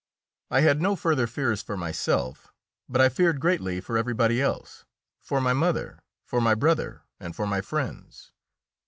I had no further fears for myself, but I feared greatly for everybody else for my mother, for my brother, and for my friends.